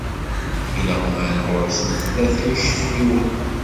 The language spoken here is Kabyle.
Ileɣman ɣur-sen tlata icefriwen.